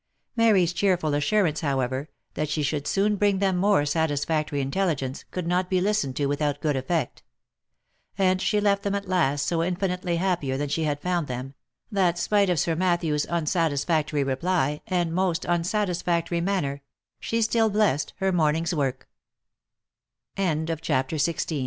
Mary's cheerful assurance, however, that she should soon bring them more satisfactory intelligence, could not be listened to without good effect ; and she left them at last so in finitely happier than she had found them, that spite of Sir Matthew's unsatisfactory reply, and more unsatisfactory manner, she still blessed her morni